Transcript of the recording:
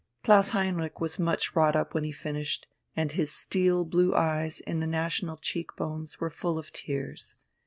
Klaus Heinrich was much wrought up when he finished, and his steel blue eyes in the national cheek bones were full of tears.